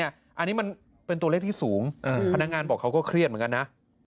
อันนี้มันเป็นตัวเลขที่สูงพนักงานบอกเขาก็เครียดเหมือนกันนะ